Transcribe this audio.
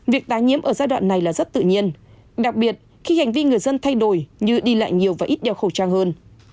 việc tái nhiễm ở giai đoạn này là rất tự nhiên đặc biệt khi hành vi người dân thay đổi như đi lại nhiều và ít đeo khẩu trang hơn